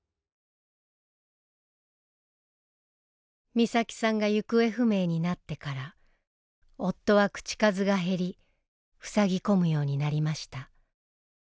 美咲さんが行方不明になってから夫は口数が減りふさぎ込むようになりました。